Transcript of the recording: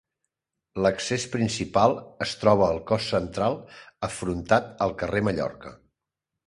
L'accés principal es troba al cos central afrontat al carrer Mallorca.